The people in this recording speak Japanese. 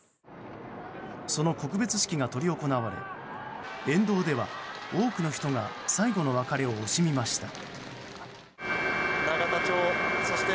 その告別式が執り行われ沿道では多くの人が最後の別れを惜しみました。